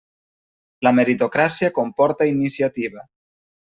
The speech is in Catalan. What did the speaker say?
La meritocràcia comporta iniciativa.